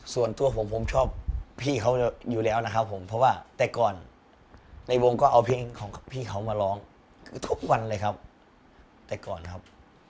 ส่วนตัวผมผมชอบพี่เขาอยู่แล้วนะครับผมเพราะว่าแต่ก่อนในวงก็เอาเพลงของพี่เขามาร้องคือทุกวันเลยครับแต่ก่อนครับ